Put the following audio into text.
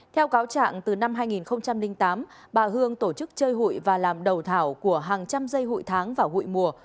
theo cáo trạng từ năm hai nghìn tám bà hương tổ chức chơi hụi và làm đầu thảo của hàng trăm dây hụi tháng và hụi mùa